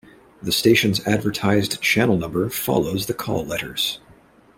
The station's advertised channel number follows the call letters.